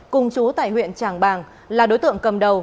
cùng chú tại huyện tràng bàng là đối tượng cầm đầu